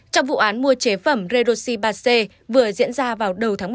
trong vụ án mua chế phẩm redoxy ba c vừa diễn ra vào đầu tháng một mươi hai năm hai nghìn hai mươi một